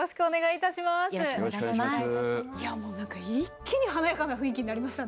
いやもうなんか一気に華やかな雰囲気になりましたね。